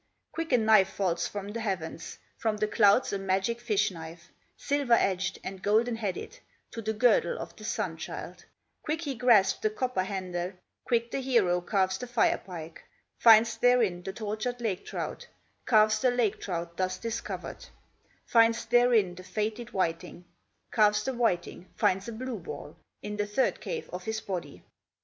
Quick a knife falls from the heavens, From the clouds a magic fish knife, Silver edged and golden headed, To the girdle of the Sun child; Quick he grasps the copper handle, Quick the hero carves the Fire pike, Finds therein the tortured lake trout; Carves the lake trout thus discovered, Finds therein the fated whiting; Carves the whiting, finds a blue ball In the third cave of his body.